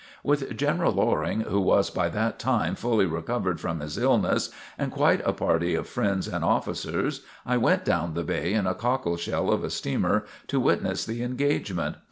With General Loring, (who was by that time fully recovered from his illness), and quite a party of friends and officers, I went down the bay in a cockle shell of a steamer, to witness the engagement.